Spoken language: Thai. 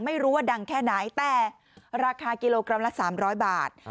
ไม่รู้ว่าดังแค่ไหนแต่ราคากิโลกรัมละ๓๐๐บาท